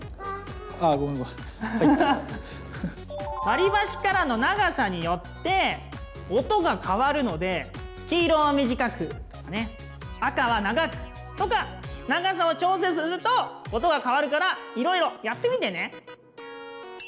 割り箸からの長さによって音が変わるので黄色は短く赤は長くとか長さを調整すると音が変わるからいろいろやってみてね。